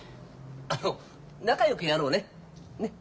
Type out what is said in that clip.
あの仲よくやろうね。ね！